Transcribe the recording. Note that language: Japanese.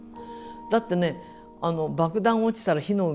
だってね爆弾落ちたら火の海でしょ。